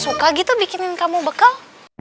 suka gitu bikinin kamu bekal